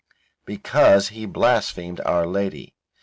"Because he blasphemed Our Lady."